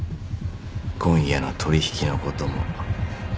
今夜の取引のことも。